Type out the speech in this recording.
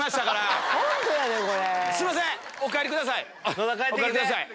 すいませんお帰りください。